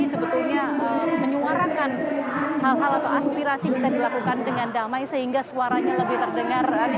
sebetulnya menyuarakan hal hal atau aspirasi bisa dilakukan dengan damai sehingga suaranya lebih terdengar